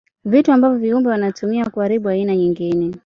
Vitu ambavyo viumbe wanatumia kuharibu aina nyingine.